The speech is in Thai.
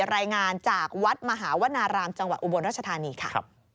รายงานจากวัดมหาวนารามจังหวัดอุบลรัชธานีค่ะ